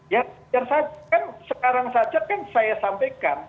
ya yang saya kan sekarang saja kan saya sampaikan